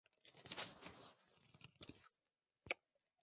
La ocupación de Manchuria tenía que ser rentable.